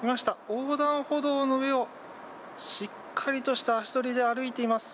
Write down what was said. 横断歩道の上を、しっかりとした足取りで歩いています。